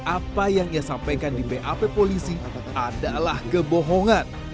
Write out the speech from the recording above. apa yang ia sampaikan di bap polisi adalah kebohongan